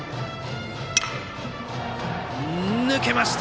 抜けました！